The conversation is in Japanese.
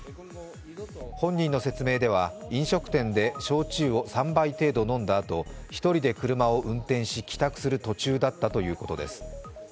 本人の説明では、飲食店で焼酎を３杯程度飲んだあと、１人で車を運転し、帰宅する途中だったということです。